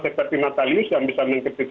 seperti natalius yang bisa mengkritik